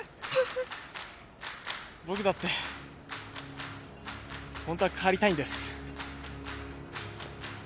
僕だってホントは変わりたいんです。